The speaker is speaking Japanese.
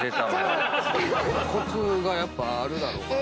コツがやっぱあるだろうからね。